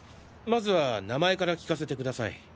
まずは名前から聞かせてください。